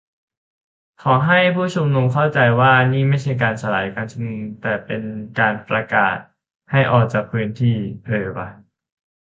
"ขอให้ผู้ชุมนุมเข้าใจว่า นี่ไม่ใช่การสลายการชุมนุม แต่เป็นการประกาศให้ออกจากพื้นที่" เออว่ะ